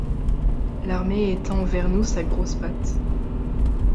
L’armée étend vers nous sa grosse patte.